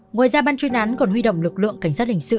ngoài ra ban chuyên án còn huy động lực lượng cảnh sát hình sự